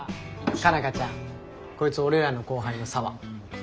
佳奈花ちゃんこいつ俺らの後輩の沙和。